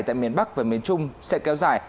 tại miền bắc và miền trung sẽ kéo dài